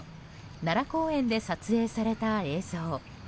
奈良公園で撮影された映像。